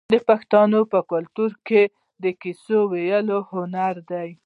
د پښتنو په کلتور کې د کیسو ویل هنر دی.